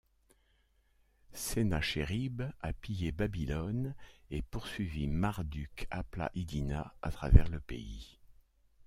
Sennachérib a pillé Babylone et poursuivi Marduk-apla-iddina à travers le pays.